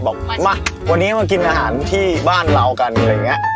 บอกมาวันนี้มากินอาหารที่บ้านเรากันอะไรอย่างนี้